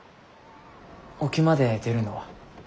沖まで出るのは。